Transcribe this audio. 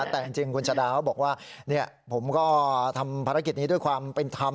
แต่จริงคุณชาดาเขาบอกว่าผมก็ทำภารกิจนี้ด้วยความเป็นธรรม